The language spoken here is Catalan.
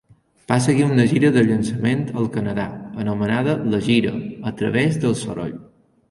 Va seguir una gira de llançament al Canadà anomenada la Gira a través del soroll.